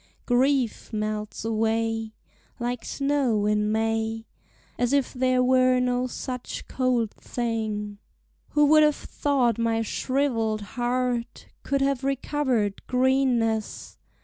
Grief melts away Like snow in May, As if there were no such cold thing. Who would have thought my shrivelled heart Could have recovered greenness?